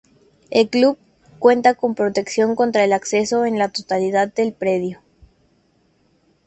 El club cuenta con protección contra el acceso en la totalidad del predio.